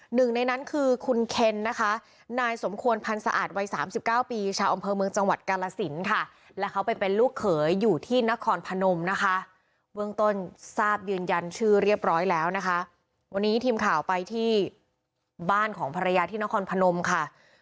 หนึ่งในนั้นคือคุณเคนนะคะนายสมควรพันธุ์สะอาดวัยสามสิบเก้าปีชาวอำเภอเมืองจังหวัดกาลสินค่ะ